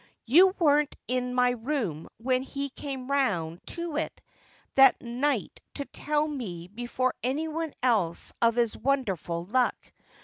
You weren't in my room when he came round to it that night to tell me before anyone else of his wonderful luck.